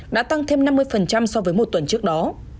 đã tăng thêm năm mươi so với một tuần trước đó